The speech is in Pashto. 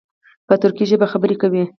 په ترکي ژبه خبرې کوي.